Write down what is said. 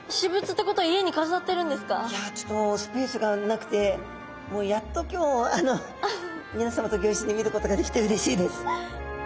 いやちょっとスペースがなくてもうやっと今日みなさまとギョいっしょに見ることができてうれしいです。